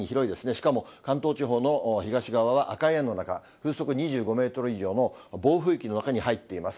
しかも関東地方の東側は赤い円の中、風速２５メートル以上の暴風域の中に入っています。